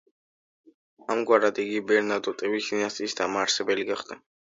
ამგვარად იგი ბერნადოტების დინასტიის დამაარსებელი გახდა.